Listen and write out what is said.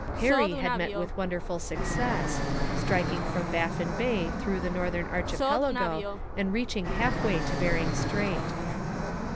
Parry had met with wonderful success, striking from Baffin Bay through the northern archipelago and reaching half way to Bering Strait.